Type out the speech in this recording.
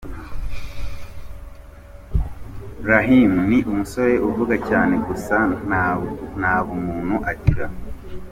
Raheem ni umusore uvuga cyane gusa nta bumuntu agira.